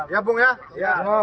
ya bung ya